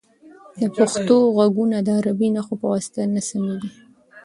د پښتو غږونه د عربي نښو په واسطه نه سمیږي.